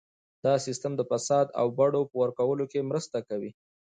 دا سیستم د فساد او بډو په ورکولو کې مرسته کوي.